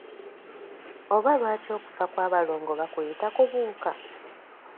Oba lwaki okufa kw'abalongo bakuyita kubuuka?